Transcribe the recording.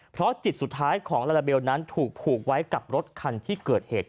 เพราะจิตสุดท้ายของลาลาเบลนั้นถูกผูกไว้กับรถคันที่เกิดเหตุ